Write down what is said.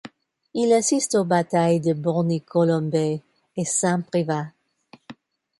Il assiste aux batailles de Borny-Colombey, et Saint-Privat.